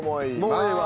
もうええわ。